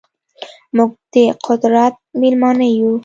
موږ ده قدرت میلمانه یو